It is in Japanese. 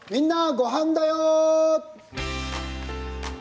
ゴハンだよ」。